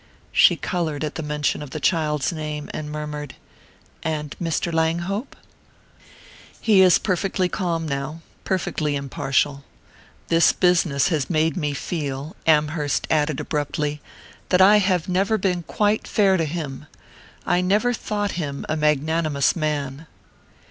She coloured at the mention of the child's name and murmured: "And Mr. Langhope?" "He is perfectly calm now perfectly impartial. This business has made me feel," Amherst added abruptly, "that I have never been quite fair to him. I never thought him a magnanimous man."